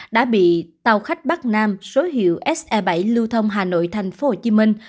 đã bị tàu khách bắc nam số hiệu se bảy lưu thông hà nội thành phố hồ chí minh